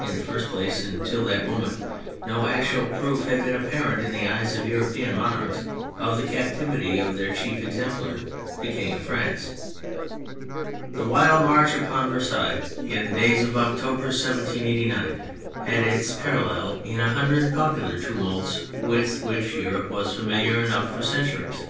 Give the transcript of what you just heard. In the first place, until that moment no actual proof had been apparent in the eyes of European monarchs of the captivity of their chief exemplar, the king of France. The wild march upon Versailles, in the THE MILITARY ASPECT 153 days of October 1789, had its parallel in a hundred popular tumults with which Europe was familiar enough for centuries.